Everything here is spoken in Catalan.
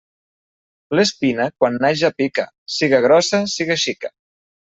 L'espina, quan naix ja pica, siga grossa siga xica.